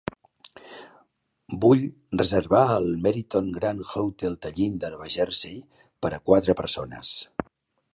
Vull reservar al Meriton Grand Hotel Tallinn de Nova Jersey per a quatre persones.